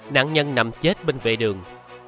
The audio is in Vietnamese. nạn nhân nằm chết bên vệ đường